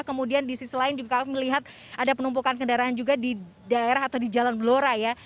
kemudian di sisi lain juga kami melihat ada penumpukan kendaraan juga di daerah atau di jalan blora ya